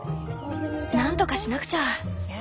なんとかしなくちゃ。